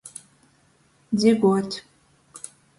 Dziguot.